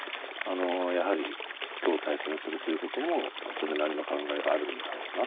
やはり今日対戦するということもそれなりの感慨があるんだろうなと思います。